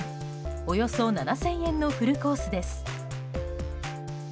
およそ７０００円のフルコースです。